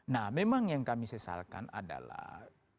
nah memang yang kami sesalkan adalah